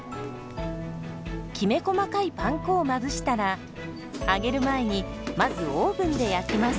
きめ細かいパン粉をまぶしたら揚げる前にまずオーブンで焼きます。